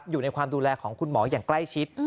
อยู่ในความดูแลของคุณหมออย่างใกล้ชิด